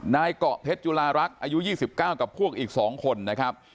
นายเกาะเพชรจุลารักษ์อายุ๒๙กับพวกอีก๒คนนะครับ